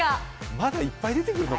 まだいっぱい出てくるの？